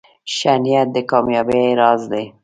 ښه نیت د کامیابۍ راز دی.